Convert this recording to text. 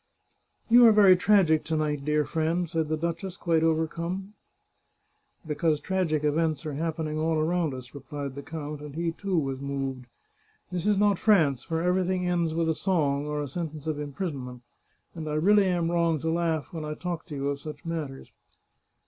" You are very tragic to night, dear friend," said the duchess, quite overcome. " Because tragic events are happening all around us," replied the count, and he, too, was moved. " This is not France, where ever):thing ends with a song or a sentence of imprisonment, and I really am wrong to laugh when I talk to you of such matters.